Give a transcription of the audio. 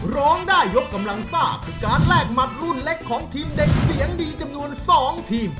ร้องได้ยกกำลังซ่าคือการแลกหมัดรุ่นเล็กของทีมเด็กเสียงดีจำนวน๒ทีม